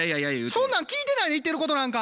そんなん聞いてないで言ってることなんか。